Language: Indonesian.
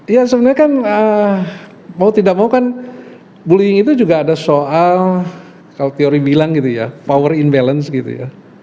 ya sebenarnya kan mau tidak mau kan bullying itu juga ada soal kalau teori bilang gitu ya power in balance gitu ya